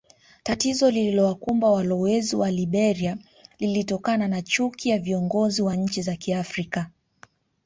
Tatizo lililowakumba walowezi wa Liberia lilitokana na chuki ya viongozi wa nchi za Kiafrika